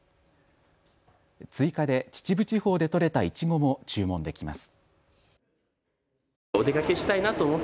追加で秩父地方で取れたいちごも注文できます。